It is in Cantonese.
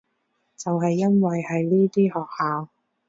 就係因為係呢啲學校